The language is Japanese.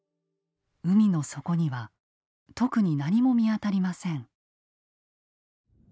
海の底には特に何も見当たりません。